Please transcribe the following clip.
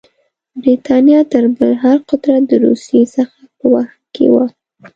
برټانیه تر بل هر قدرت د روسیې څخه په وهم کې وه.